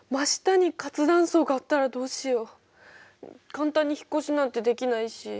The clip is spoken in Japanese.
簡単に引っ越しなんてできないし。